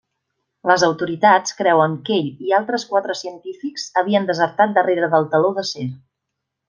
Les autoritats creuen que ell i altres quatre científics havien desertat darrere del Teló d'acer.